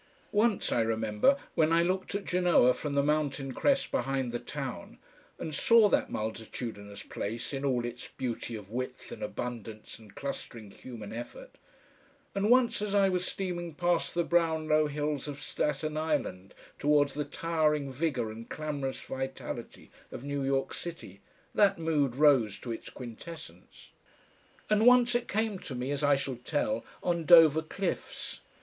Once, I remember, when I looked at Genoa from the mountain crest behind the town and saw that multitudinous place in all its beauty of width and abundance and clustering human effort, and once as I was steaming past the brown low hills of Staten Island towards the towering vigour and clamorous vitality of New York City, that mood rose to its quintessence. And once it came to me, as I shall tell, on Dover cliffs.